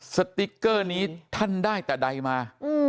สติ๊กเกอร์นี้ท่านได้แต่ใดมา